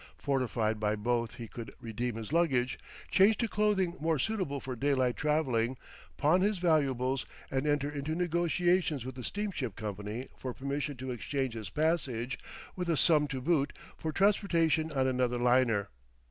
Fortified by both he could redeem his luggage, change to clothing more suitable for daylight traveling, pawn his valuables, and enter into negotiations with the steamship company for permission to exchange his passage, with a sum to boot, for transportation on another liner.